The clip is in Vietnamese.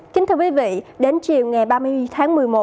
kính thưa quý vị đến chiều ngày ba mươi tháng một mươi một